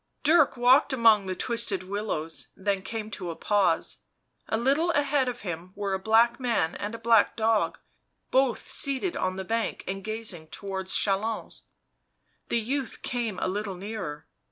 Dirk walked among the twisted willows, then came to a pause. A little ahead of him were a black man and a black dog, both seated on the bank and gazing towards Chalons. The youth came a, little nearer.